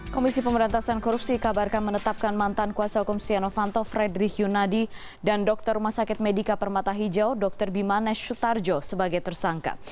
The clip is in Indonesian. komisi pemberantasan korupsi kabarkan menetapkan mantan kuasa hukum setiano fanto fredri hyunadi dan dokter rumah sakit medika permata hijau dr bimanesh sutardjo sebagai tersangka